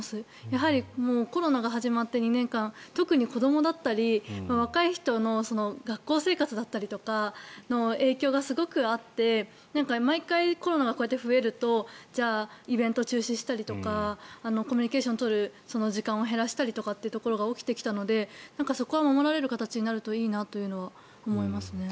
やはりコロナが始まって２年間特に子どもだったり若い人の学校生活だったりとかの影響がすごくあって毎回コロナがこうやって増えるとじゃあ、イベント中止したりとかコミュニケーションを取る時間を減らしたりとかというところが起きてきたのでそこは守られる形になるといいなというのは思いますね。